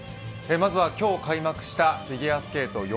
まずは今日開幕したフィギュアスケート